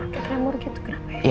teramur gitu kenapa ya